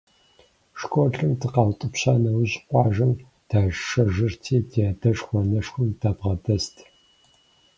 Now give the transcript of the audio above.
Школым дыкъаутӀыпща нэужь, къуажэм дашэжырти, ди адэшхуэ-анэшхуэм дабгъэдэст.